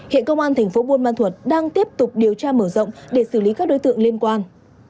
hiện công an tp bôn man thuật đang tiếp tục điều tra mở rộng để xử lý các đối tượng liên quan